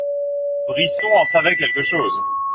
Brisson en savait quelque chose.